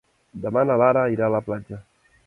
Demà na Lara irà a la platja.